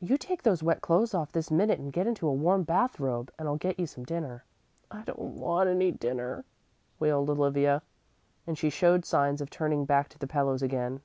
You take those wet clothes off this minute and get into a warm bath robe, and I'll get you some dinner." "I don't want any dinner," wailed Olivia, and she showed signs of turning back to the pillows again.